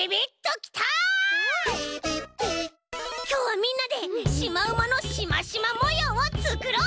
きょうはみんなでシマウマのシマシマもようをつくろう！